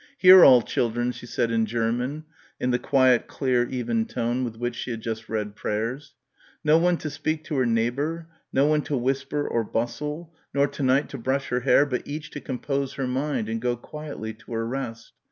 "Hear, all, children," she said in German in the quiet clear even tone with which she had just read prayers, "no one to speak to her neighbour, no one to whisper or bustle, nor to night to brush her hair, but each to compose her mind and go quietly to her rest.